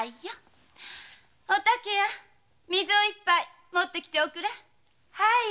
お竹水を一杯持ってきておくれ。